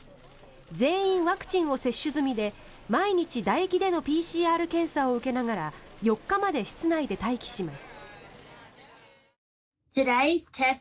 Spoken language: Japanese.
全員ワクチンを接種済みで毎日だ液でのＰＣＲ検査を受けながら４日まで室内で待機します。